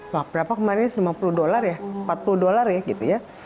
wah berapa kemarin ini lima puluh dollar ya empat puluh dollar ya gitu ya